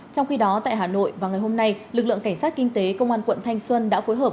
trong khi đó tại hà nội vào ngày hôm nay lực lượng cảnh sát kinh tế công an quận thanh xuân đã phối hợp